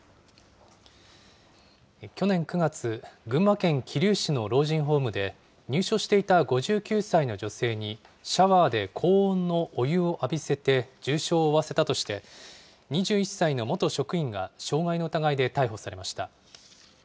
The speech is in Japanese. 去年９月、群馬県桐生市の老人ホームで、入所していた５９歳の女性に、シャワーで高温のお湯を浴びせて重傷を負わせたとして、２１歳の元職員が傷害の疑いで逮捕されました。